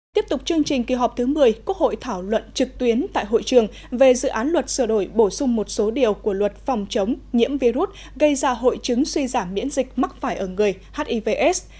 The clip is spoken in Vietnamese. tiếp tục chương trình kỳ họp thứ một mươi quốc hội thảo luận trực tuyến tại hội trường về dự án luật sửa đổi bổ sung một số điều của luật phòng chống nhiễm virus gây ra hội chứng suy giảm miễn dịch mắc phải ở người hivs